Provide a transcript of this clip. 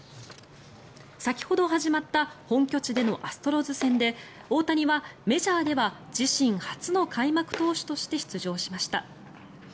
先ほど始まった本拠地でのアストロズ戦で大谷はメジャーでは自身初の開幕投手として出場しました。